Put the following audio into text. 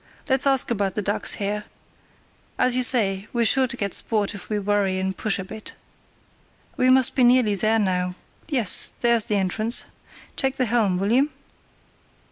Let's ask about the ducks here. As you say, we're sure to get sport if we worry and push a bit. We must be nearly there now—yes, there's the entrance. Take the helm, will you?"